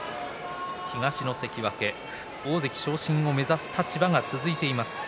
東の関脇大関昇進を目指す立場が続いています。